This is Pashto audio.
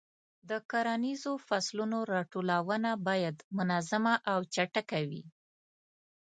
د کرنیزو فصلونو راټولونه باید منظمه او چټکه وي.